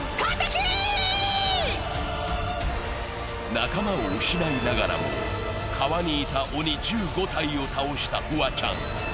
仲間を失いながらも川にいた鬼１５体を倒したフワちゃん。